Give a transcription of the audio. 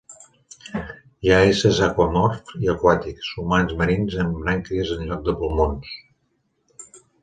Hi ha éssers aquamorfs i aquàtics, humans marins amb brànquies en lloc de pulmons.